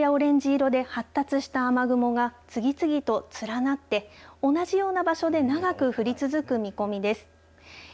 まだ黄色やオレンジ色で発達した雨雲が次々と連なって同じような場所で長く降り続く見込みです。